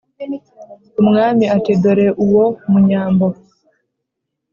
Umwami ati: "Dore uwo Munyambo